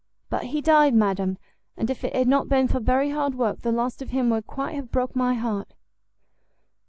But he died, madam! and if it had not been for very hard work, the loss of him would quite have broke my heart."